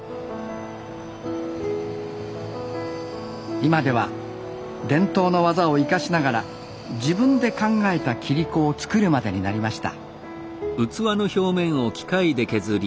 今では伝統の技を生かしながら自分で考えた切子を作るまでになりました